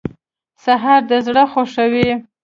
سهار د زړه خوښوي.